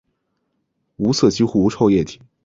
无色几乎无臭液体。